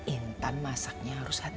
intan masaknya harus hati hati